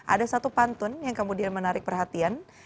ada satu pantun yang kemudian menarik perhatian